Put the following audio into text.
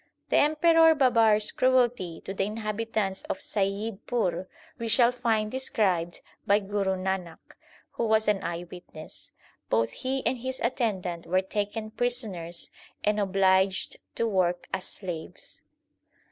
1 The Emperor Babar s cruelty to the inhabitants of Saiyid pur we shall find described by Guru Nanak, who was an eye witness. Both he and his attendant were taken prisoners and obliged to work as slaves.